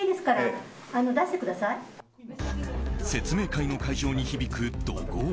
説明会の会場に響く怒号。